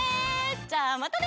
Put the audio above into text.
じゃあまたね！